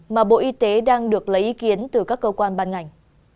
mà bộ y tế đang được lấy ý kiến từ các cơ quan ban ngành